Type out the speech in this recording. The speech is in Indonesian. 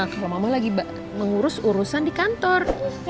mama mama lagi mengurus urusan di kantor